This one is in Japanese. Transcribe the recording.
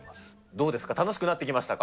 どうですか、楽しくなってきましたか？